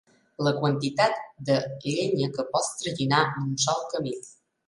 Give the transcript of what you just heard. La quantitat de llenya que pots traginar d'un sol camí.